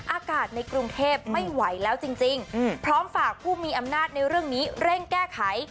อากาศในกรุงเทพไม่ไหวแล้วจริงพร้อมฝากผู้มีอำนาจในเรื่องนี้เร่งแก้ไข